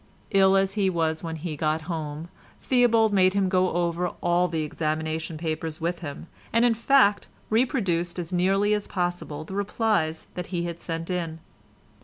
Ill as he was when he got home, Theobald made him go over all the examination papers with him, and in fact reproduce as nearly as possible the replies that he had sent in.